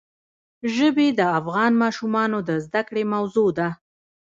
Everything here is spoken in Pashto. ژبې د افغان ماشومانو د زده کړې موضوع ده.